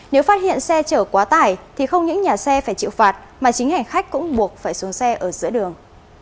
nếu phát hiện xe chở quá tải thì không những nhà xe phải chịu phạt mà chính hành khách cũng buộc phải xuống xe ở giữa đường